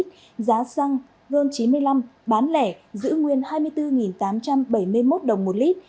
giá xăng ron chín mươi năm bán lẻ giữ nguyên hai mươi bốn tám trăm bảy mươi một đồng một lít